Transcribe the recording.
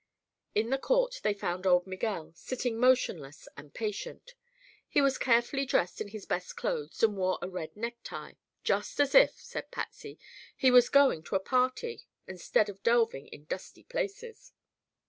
In the court they found old Miguel, sitting motionless and patient. He was carefully dressed in his best clothes and wore a red necktie, "just as if," said Patsy, "he was going to a party instead of delving in dusty places."